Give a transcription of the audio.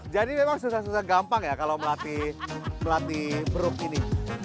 jadi memang susah susah gampang ya kalau melatih beruk ini